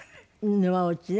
沼落ちね。